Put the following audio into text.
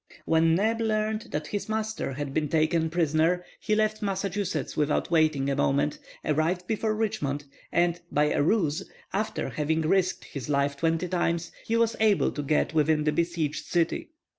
When Neb learned that his master had been taken prisoner he left Massachusetts without waiting a moment, arrived before Richmond, and, by a ruse, after having risked his life twenty times, he was able to get within the besieged city.